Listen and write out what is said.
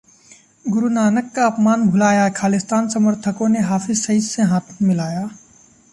गुरु नानक का अपमान भुलाया, खालिस्तान समर्थकों ने हाफिज सईद से हाथ मिलाया!